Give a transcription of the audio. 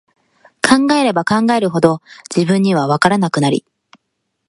考えれば考えるほど、自分には、わからなくなり、